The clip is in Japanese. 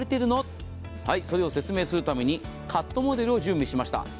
それを説明するためにカットモデルを準備しました。